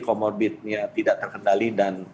komorbidnya tidak terkendali dan